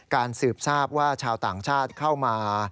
สืบทราบว่าชาวต่างชาติเข้ามา